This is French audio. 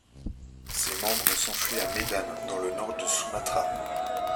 Ses membres s'enfuient à Medan dans le nord de Sumatra.